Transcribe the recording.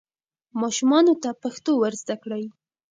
ماشومانو ته پښتو ور زده کړئ.